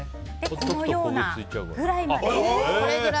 このようなぐらいまで。